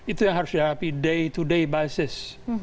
itu yang harus dihadapi day to day business